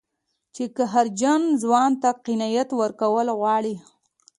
چې قهرجن ځوان ته قناعت ورکول غواړي.